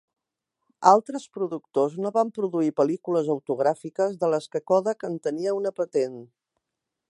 Altres productors no van produir pel·lícules autogràfiques de les que Kodak en tenia una patent.